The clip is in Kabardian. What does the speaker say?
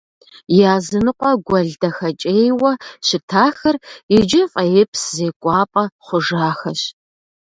Языныкъуэ гуэл дахэкӀейуэ щытахэр иджы фӀеипс зекӀуапӀэ хъужахэщ.